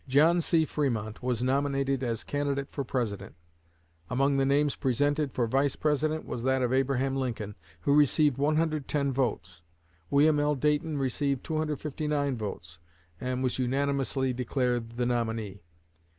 John C. Fremont was nominated as candidate for President. Among the names presented for Vice president was that of Abraham Lincoln, who received 110 votes. William L. Dayton received 259 votes and was unanimously declared the nominee.